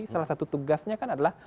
salah satu tugasnya kan adalah